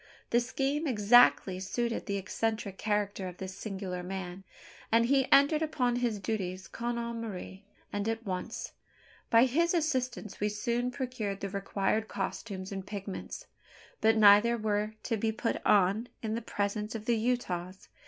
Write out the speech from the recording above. The scheme exactly suited the eccentric character of this singular man; and he entered upon his duties con amore, and at once. By his assistance we soon procured the required costumes and pigments; but neither were to be "put on" in the presence of the Utahs.